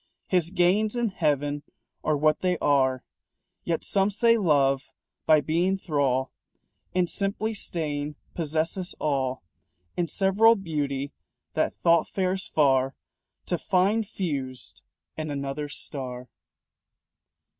His gains in heaven are what they are. Yet some say Love by being thrall And simply staying possesses all In several beauty that Thought fares far To find fused in another star.